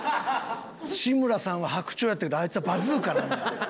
志村さんは白鳥やったけどあいつはバズーカなんや。